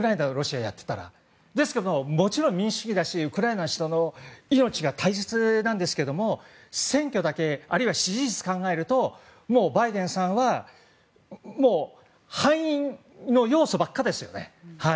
ですけども、もちろん民主主義だしウクライナの人の命が大切なんですけども選挙だけ、あるいは支持率考えるとバイデンさんは敗因の要素ばっかりですよね。